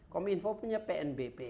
kominfo punya pnbp